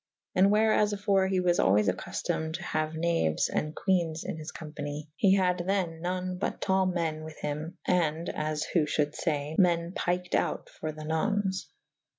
And where as afore he was alwayes accuftomed to haue knaues and quenes in his company : [E ii a] he had the« non but tal me«' with hym /& (as who fhulde fay) men piked out for tht nones.